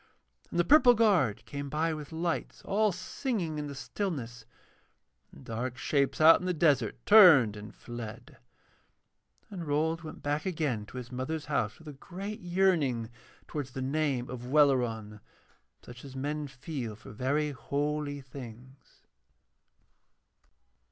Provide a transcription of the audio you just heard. And the purple guard came by with lights, all singing in the stillness, and dark shapes out in the desert turned and fled. And Rold went back again to his mother's house with a great yearning towards the name of Welleran, such as men feel for very holy things.